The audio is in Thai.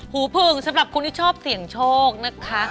หูผึ่งสำหรับคนที่ชอบเสี่ยงโชคนะคะ